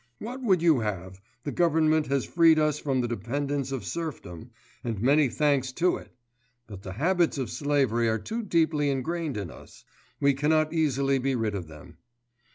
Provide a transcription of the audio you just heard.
What would you have? The government has freed us from the dependence of serfdom and many thanks to it! but the habits of slavery are too deeply ingrained in us; we cannot easily be rid of them.